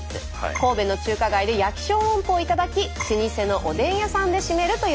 神戸の中華街で焼き小籠包を頂き老舗のおでん屋さんで締めるというツアーです。